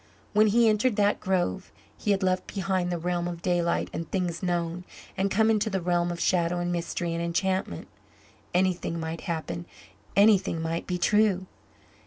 When he entered that grove, he had left behind the realm of daylight and things known and come into the realm of shadow and mystery and enchantment. Anything might happen anything might be true.